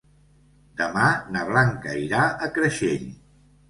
Demà na Blanca irà a Creixell.